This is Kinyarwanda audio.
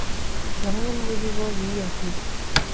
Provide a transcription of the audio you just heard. Bamwe muri bo biyahuye.